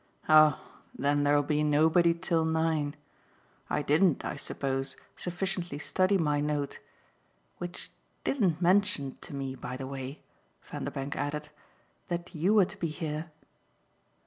"Oh then there'll be nobody till nine. I didn't, I suppose, sufficiently study my note; which didn't mention to me, by the way," Vanderbank added, "that you were to be here."